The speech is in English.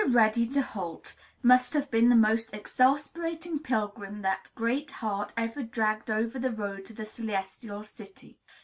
Ready to Halt must have been the most exasperating pilgrim that Great Heart ever dragged over the road to the Celestial City.